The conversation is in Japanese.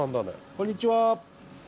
こんにちは。